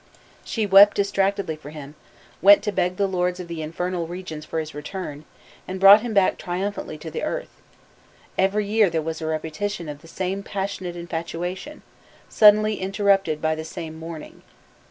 She wept distractedly for him, went to beg the lords of the infernal regions for his return, and brought him back triumphantly to the earth: every year there was a repetition of the same passionate infatuation, suddenly interrupted by the same mourning.